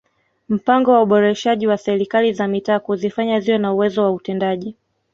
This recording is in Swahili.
Mpango wa uboreshaji wa Serikali za Mitaa kuzifanya ziwe na uwezo wa utendaji